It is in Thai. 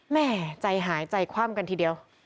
แม่ใจหายใจคว่ำกันทีเดียว